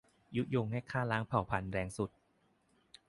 ยุยงให้ฆ่าล้างเผ่าพันธุ์แรงสุด